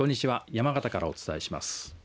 山形からお伝えします。